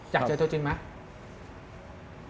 อยากเจอตัวจริงไหม